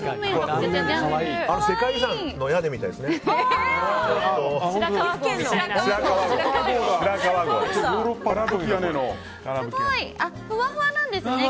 世界遺産の屋根みたいですね。